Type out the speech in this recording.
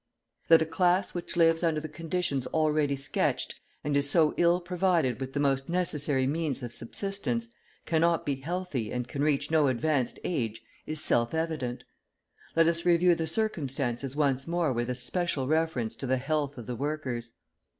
That a class which lives under the conditions already sketched and is so ill provided with the most necessary means of subsistence, cannot be healthy and can reach no advanced age, is self evident. Let us review the circumstances once more with especial reference to the health of the workers.